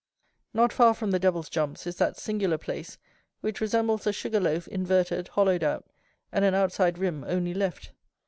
Not far from the Devil's jumps is that singular place which resembles a sugar loaf inverted, hollowed out, and an outside rim only left.